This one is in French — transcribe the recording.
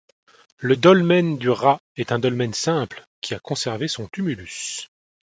Le Dolmen du Rat est un dolmen simple qui a conservé son tumulus.